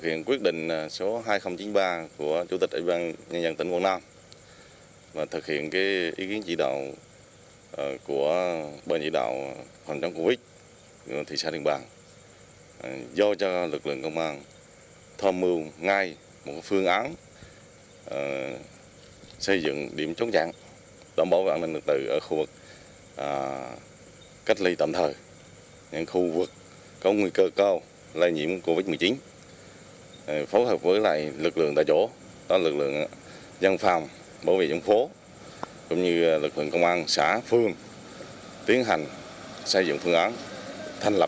tỉnh quảng nam tỉnh quảng nam tỉnh quảng nam tỉnh quảng nam tỉnh quảng nam tỉnh quảng nam tỉnh quảng nam tỉnh quảng nam tỉnh quảng nam tỉnh quảng nam tỉnh quảng nam tỉnh quảng nam tỉnh quảng nam tỉnh quảng nam tỉnh quảng nam tỉnh quảng nam tỉnh quảng nam tỉnh quảng nam tỉnh quảng nam tỉnh quảng nam tỉnh quảng nam tỉnh quảng nam tỉnh quảng nam tỉnh quảng nam tỉnh quảng nam tỉnh quảng nam tỉnh quảng nam tỉnh quảng nam tỉnh quảng nam tỉnh quảng nam tỉnh quảng nam tỉnh qu